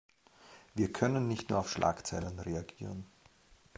Wir können nicht nur auf Schlagzeilen reagieren.